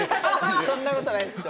そんなことないっしょ。